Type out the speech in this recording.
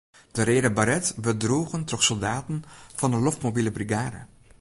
De reade baret wurdt droegen troch soldaten fan 'e loftmobile brigade.